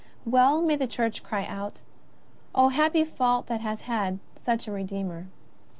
Well may the Church cry out :*^ O happy fault that has had such a Redeemer